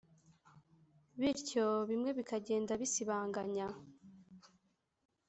bityo bimwe bikagenda bisibanganya »